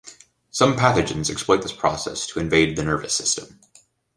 Some pathogens exploit this process to invade the nervous system.